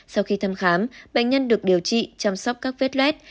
sau khi thăm khám bệnh nhân được điều trị chăm sóc các vết luet